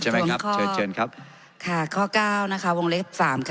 ครับเชิญเชิญครับค่ะข้อเก้านะคะวงเล็บสามค่ะ